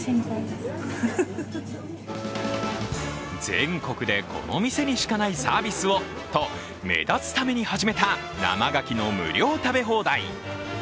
全国でこの店にしかないサービスをと目立つために始めた生牡蠣の無料食べ放題。